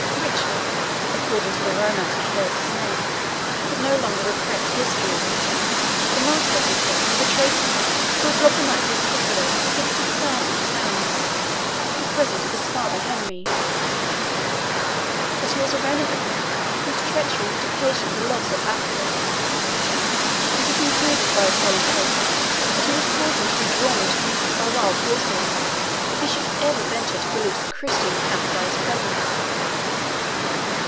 Richard, according to the romance which bears his name, "could no longer repress his fury. The Marquis he said, was a traitor, who had robbed the Knights Hospitallers of sixty thousand pounds, the present of his father Henry; that he was a renegade, whose treachery had occasioned the loss of Acre; and he concluded by a solemn oath, that he would cause him to be drawn to pieces by wild horses, if he should ever venture to pollute the Christian camp by his presence.